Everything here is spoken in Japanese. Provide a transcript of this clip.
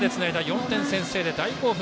４点先制で大興奮！！